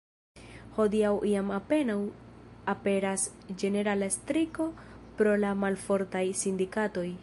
Hodiaŭ jam apenaŭ aperas ĝenerala striko pro la malfortaj sindikatoj.